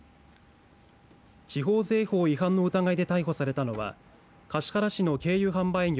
地方税法違反の疑いで逮捕されたのは橿原市の軽油販売業